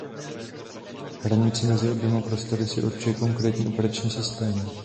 Hranici mezi oběma prostory si určuje konkrétní operační systém.